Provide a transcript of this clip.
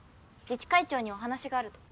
自治会長にお話があると。